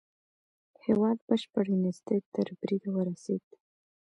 هېواد بشپړې نېستۍ تر بريده ورسېد.